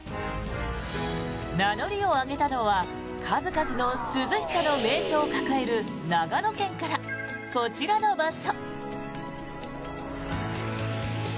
名乗りを上げたのは数々の涼しさの名所を抱える長野県からこちらの場所。